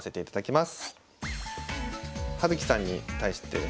葉月さんに対してですね。